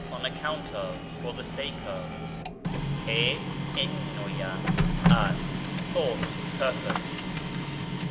on account of, for the sake of. ἔννοια, as, ἡ, thought, purpose.